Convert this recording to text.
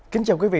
kính chào quý vị